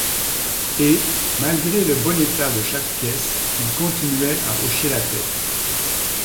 Et, malgré le bon état de chaque pièce, il continuait à hocher la tête.